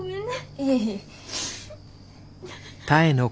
いえいえ。